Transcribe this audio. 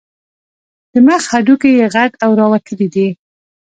د مخ هډوکي یې غټ او راوتلي دي.